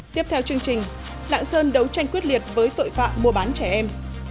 tiếp theo chương trình lạng sơn đấu tranh quyết liệt với tội phạm mua bán trẻ em